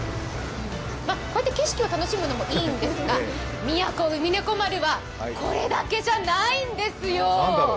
こうやって景色を楽しむのもいいんですが、「宮古うみねこ丸」はこれだけじゃないんですよ！